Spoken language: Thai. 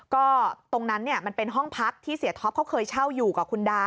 ก็ตรงนั้นมันเป็นห้องพักที่เสียท็อปเขาเคยเช่าอยู่กับคุณดา